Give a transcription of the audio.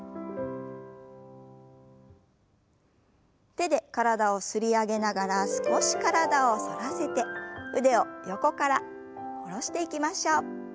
手で体を擦り上げながら少し体を反らせて腕を横から下ろしていきましょう。